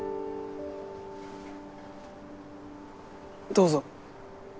どうぞ。